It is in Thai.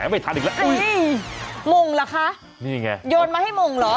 ไม่ทันอีกละอุ้ยนี่มุ่งเหรอคะโยนมาให้มุ่งหรอ